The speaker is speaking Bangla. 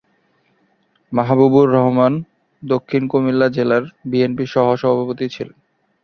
মাহবুবুর রহমান কুমিল্লা দক্ষিণ জেলা বিএনপির সহসভাপতি ছিলেন।